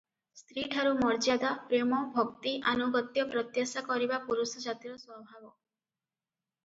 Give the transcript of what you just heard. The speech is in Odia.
ସ୍ତ୍ରୀଠାରୁ ମର୍ଯ୍ୟାଦା, ପ୍ରେମ, ଭକ୍ତି ଆନୁଗତ୍ୟ ପ୍ରତ୍ୟାଶା କରିବା ପୁରୁଷଜାତିର ସ୍ୱଭାବ ।